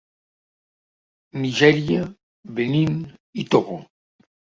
Nigèria, Benín i Togo.